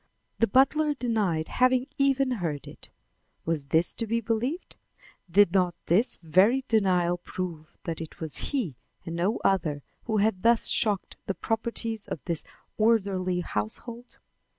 The butler denied having even heard it. Was this to be believed? Did not this very denial prove that it was he and no other who had thus shocked the proprieties of this orderly household?